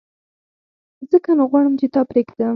ځکه نو غواړم چي تا پرېږدم !